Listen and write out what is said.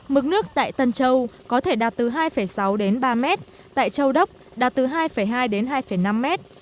mức nước tại tân châu có thể đạt từ hai sáu đến ba mét tại châu đốc đạt từ hai hai đến hai năm mét